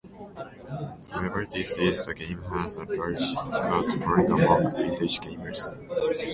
However, these days the game has a large cult following among vintage gamers.